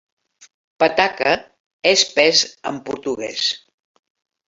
"Pataca" és pes en portuguès.